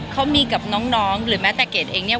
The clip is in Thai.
เขามีกับน้องหรือแม้แต่เกดเองเนี่ย